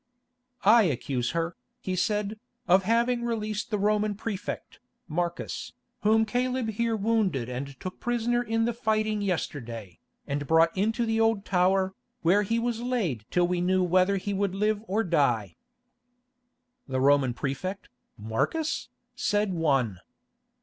"I accuse her," he said, "of having released the Roman Prefect, Marcus, whom Caleb here wounded and took prisoner in the fighting yesterday, and brought into the Old Tower, where he was laid till we knew whether he would live or die." "The Roman Prefect, Marcus?" said one.